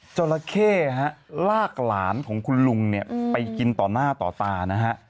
จราเข้ฮะลากหลานของคุณลุงเนี่ยไปกินต่อหน้าต่อตานะฮะ